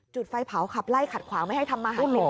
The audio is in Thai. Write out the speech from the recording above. จุดไฟเผาขับไล่ขัดขวางไม่ให้ทำมาหากิน